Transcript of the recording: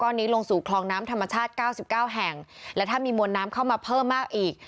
ตอนนี้ลงสู่คลองน้ำธรรมชาติเก้าสิบเก้าแห่งและถ้ามีมวลน้ำเข้ามาเพิ่มมากอีก